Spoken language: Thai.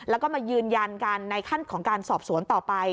แล้วก็มายืนยันกันในขั้นของการสอบสวนต่อไป